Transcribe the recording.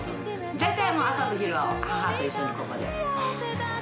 大体もう朝と昼は母と一緒にここで。